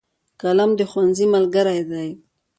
قلم د ښوونځي ملګری دی.